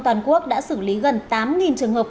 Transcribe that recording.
toàn quốc đã xử lý gần tám trường hợp